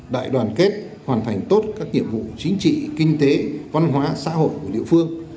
đại đoàn kết hoàn thành tốt các nhiệm vụ chính trị kinh tế văn hóa xã hội của địa phương